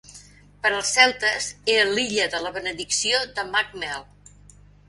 Per als celtes, era l'Illa de la Benedicció de Mag Mell.